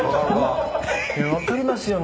分かりますよ